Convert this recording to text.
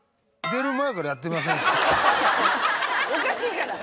おかしいから。